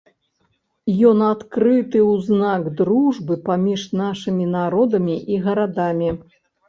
Ён адкрыты ў знак дружбы паміж нашымі народамі і гарадамі.